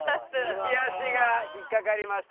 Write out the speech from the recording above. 抜き足が引っかかりました。